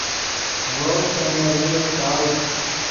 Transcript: ڤؤ سے نرمی ایخساؤ